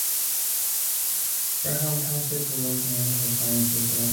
Graham Township was named for a pioneer settler.